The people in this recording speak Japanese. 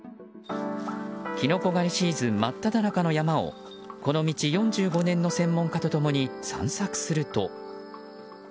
キノコ狩りシーズン真っただ中の山をこの道４５年の専門家と共に散策すると。